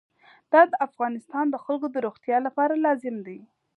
دا د افغانستان د خلکو د روغتیا لپاره لازم دی.